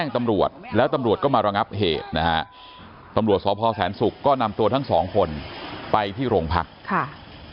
ตำรวจสพแสนสุกก็นำตัวทั้งสองคนไปที่โรงพักษณ์